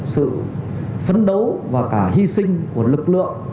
sự phấn đấu và cả hy sinh của lực lượng